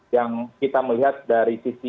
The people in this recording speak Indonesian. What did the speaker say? yang kita melihat dari sisi